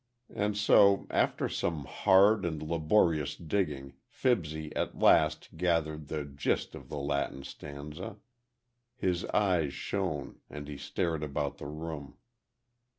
And so after some hard and laborious digging, Fibsy at last gathered the gist of the Latin stanza. His eyes shone, and he stared about the room.